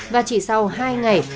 và chỉ sau hai ngày